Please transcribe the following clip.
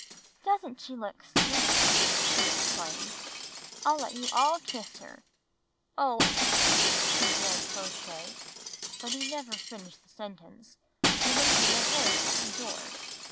"Doesn't she look sweet!" she exclaimed. "I'll let you all kiss her." "Oh, excuse —!" began Crow Shay, but he never finished the sentence, for there came a voice at the door.